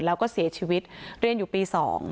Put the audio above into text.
แล้วก็เสียชีวิตเรียนอยู่ปี๒